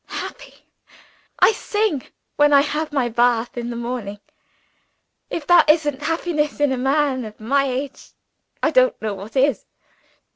"Happy? I sing, when I have my bath in the morning. If that isn't happiness (in a man of my age) I don't know what is!"